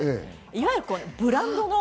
いわゆるブランドの。